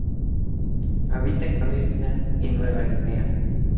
Habita en Queensland y Nueva Guinea.